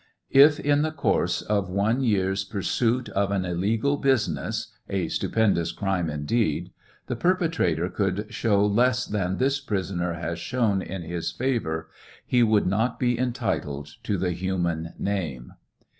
If in the course of one year's pursuit of an illegal business, a stupendous crime indeed, the perpetrator could show less than this prisoner has shown in his favor, he would not be entitled to the human name.